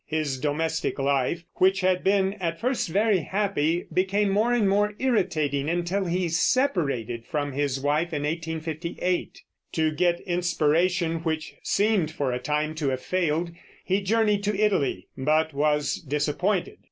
His domestic life, which had been at first very happy, became more and more irritating, until he separated from his wife in 1858. To get inspiration, which seemed for a time to have failed, he journeyed to Italy, but was disappointed.